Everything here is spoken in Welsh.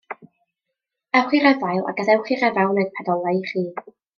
Ewch i'r efail, a gadewch i'r efail wneud pedolau i chi.